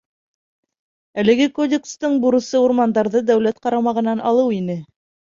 Әлеге Кодекстың бурысы урмандарҙы дәүләт ҡарамағынан алыу ине.